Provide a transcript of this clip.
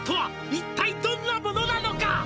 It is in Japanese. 「一体どんなものなのか？」